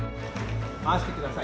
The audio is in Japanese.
回してください。